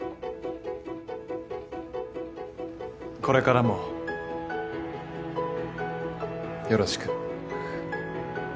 これからもよろしく。